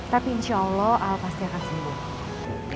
tapi insya allah pasti akan sembuh